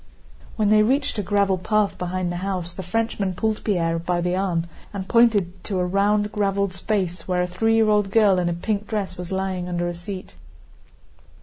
When they reached a gravel path behind the house the Frenchman pulled Pierre by the arm and pointed to a round, graveled space where a three year old girl in a pink dress was lying under a seat.